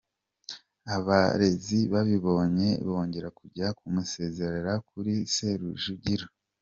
Abarezi babibonye, bongera kujya kumusesereza kuri se Rujugira.